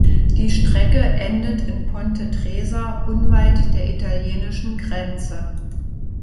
Die Strecke endet in Ponte Tresa unweit der italienischen Grenze.